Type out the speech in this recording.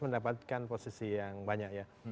mendapatkan posisi yang banyak ya